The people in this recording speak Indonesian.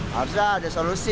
harusnya ada solusi